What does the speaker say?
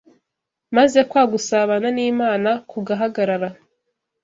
maze kwa gusabana n’Imana kugahagarara